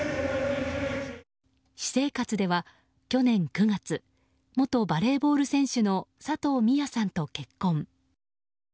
私生活では去年９月元バレーボール選手の佐藤美弥さんと結婚。